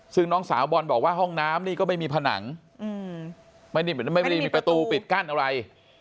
ซึ่งน้องสาวบอลบอกว่าห้องน้ำนี่ก็ไม่มีผนังไม่ได้มีประตูปิดกั้นอะไร